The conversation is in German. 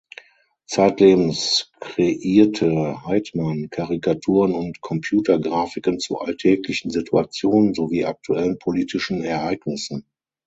Zeitlebens kreierte Heitmann Karikaturen und (Computer)grafiken zu alltäglichen Situationen sowie aktuellen politischen Ereignissen.